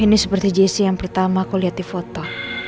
ini seperti jessy yang pertama aku liat di foto